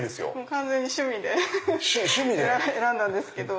完全に趣味で選んだんですけど。